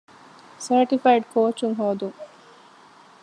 ސާޓިފައިޑް ކޯޗުން ހޯދުން